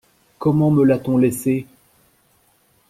comment me l’a-t-on laissé ?